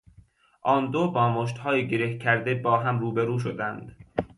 آندو با مشتهای گره کرده با هم رو به رو شدند.